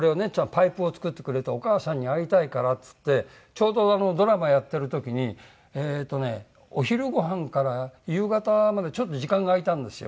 パイプを作ってくれたお母さんに会いたいからっつってちょうどドラマやってる時にえっとねお昼ごはんから夕方までちょっと時間が空いたんですよ。